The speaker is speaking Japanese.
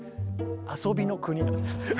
遊びの国なんです。